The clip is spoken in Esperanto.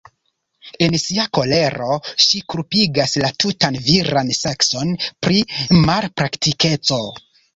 En sia kolero ŝi kulpigas la tutan viran sekson pri malpraktikeco.